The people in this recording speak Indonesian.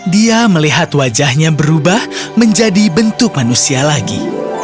dia melihat wajahnya berubah menjadi bentuk manusia lagi